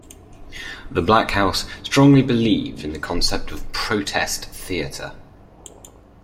The Black House strongly believed in the concept of "Protest Theatre".